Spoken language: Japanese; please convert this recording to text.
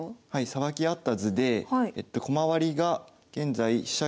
さばき合った図で駒割りが現在飛車